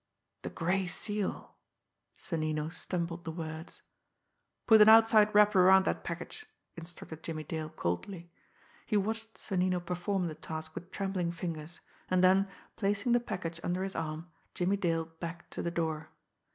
"The Gray Seal!" Sonnino stumbled the words. "Put an outside wrapper around that package!" instructed Jimmie Dale coldly. He watched Sonnino perform the task with trembling fingers; and then, placing the package under his arm, Jimmie Dale backed to the door.